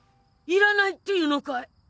いらないって言うのかい？